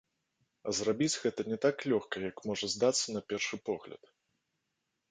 А зрабіць гэта не так лёгка, як можа здацца на першы погляд.